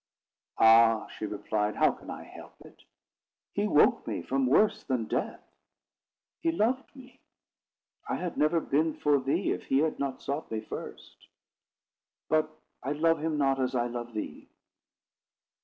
"Ah!" she replied, "how can I help it? He woke me from worse than death; he loved me. I had never been for thee, if he had not sought me first. But I love him not as I love thee.